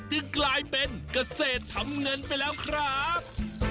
กลายเป็นเกษตรทำเงินไปแล้วครับ